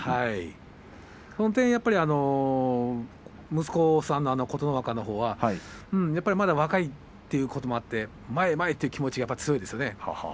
その点、息子の琴ノ若はまだ若いということもあって前へ前へという気持ちが強いですよね。